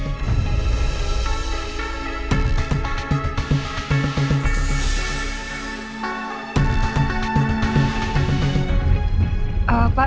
kali aja dia udah balik